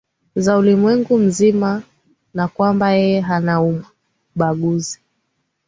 za ulimwengu mzima na kwamba yeye hanaumbaguzi